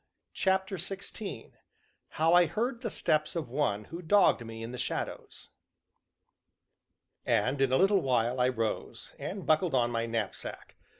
CHAPTER XVI HOW I HEARD THE STEPS OF ONE WHO DOGGED ME IN THE SHADOWS And, in a little while, I rose, and buckled on my knapsack.